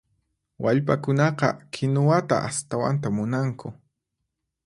Wallpakunaqa kinuwata astawanta munanku.